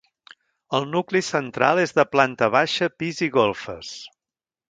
El nucli central és de planta baixa, pis i golfes.